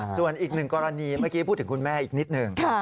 ส่วนอีกหนึ่งกรณีเมื่อกี้พูดถึงคุณแม่อีกนิดหนึ่ง